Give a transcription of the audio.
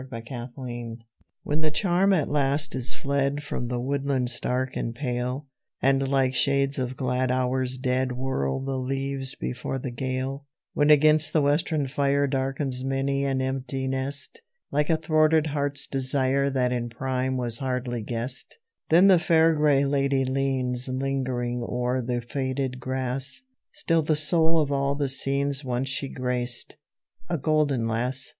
THE FAIR GRAY LADY When the charm at last is fled From the woodland stark and pale, And like shades of glad hours dead Whirl the leaves before the gale: When against the western fire Darkens many an empty nest, Like a thwarted heart's desire That in prime was hardly guessed: Then the fair gray Lady leans, Lingering, o'er the faded grass, Still the soul of all the scenes Once she graced, a golden lass.